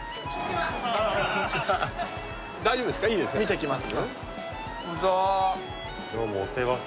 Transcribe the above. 見てきます？